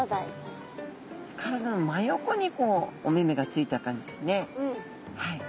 体の真横にお目目がついた感じですね。